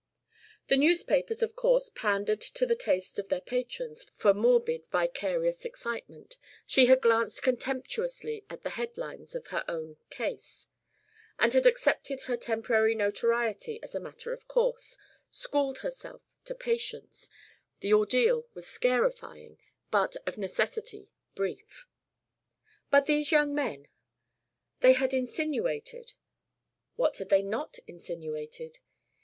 The newspapers of course pandered to the taste of their patrons for morbid vicarious excitement; she had glanced contemptuously at the headlines of her own "Case," and had accepted her temporary notoriety as a matter of course, schooled herself to patience; the ordeal was scarifying but of necessity brief. But these young men. They had insinuated what had they not insinuated?